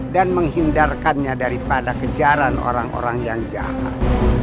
dan menghindarkannya daripada kejaran orang orang yang jahat